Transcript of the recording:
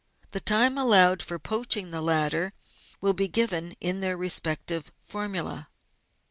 The time allowed for poaching the latter will be given in their respective formulae.